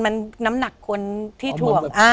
แล้วก็เลยขอขอดูก็คนนักที่ทั่ว